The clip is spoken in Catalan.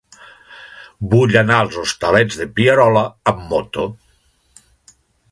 Vull anar als Hostalets de Pierola amb moto.